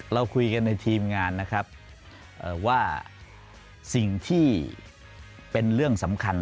เราคุยกันในทีมงานนะครับว่าสิ่งที่เป็นเรื่องสำคัญ